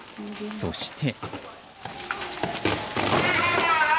そして。